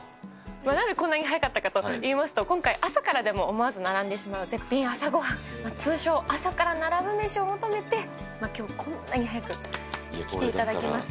なんでこんなに早かったかといいますと、今回、朝からでも思わず並んでしまう絶品朝ごはん、通称、朝から並ぶメシを求めて、きょう、こんなに早く来ていただきました。